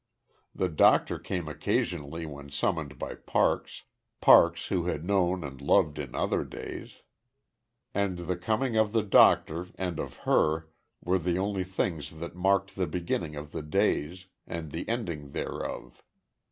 The doctor came occasionally when summoned by Parks Parks who had known and loved in other days. And the coming of the doctor, and of Her, were the only things that marked the beginning of the days, and the ending thereof.